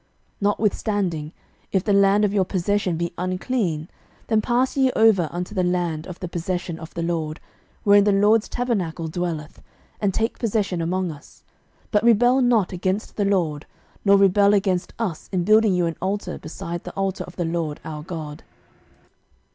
06:022:019 Notwithstanding, if the land of your possession be unclean, then pass ye over unto the land of the possession of the LORD, wherein the LORD's tabernacle dwelleth, and take possession among us: but rebel not against the LORD, nor rebel against us, in building you an altar beside the altar of the LORD our God.